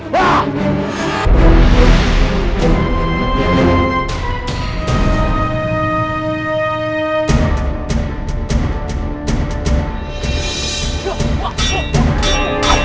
belanda adalah dua